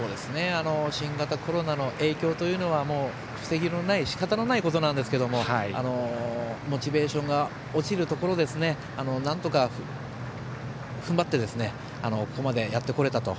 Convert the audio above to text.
新型コロナの影響は防ぎようのないしかたのないことなんですけどもモチベーションが落ちるところをなんとか踏ん張ってここまでやってこれたと。